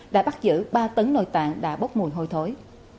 đã bắt giữ ba tấn nồi tạng đã bốc mùi hôi thối